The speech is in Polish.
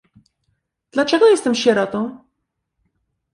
"Dlaczego jestem sierotą?"